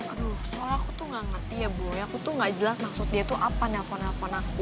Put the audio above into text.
aduh soal aku tuh gak ngerti ya boy aku tuh gak jelas maksud dia tuh apa nelfon nelfon aku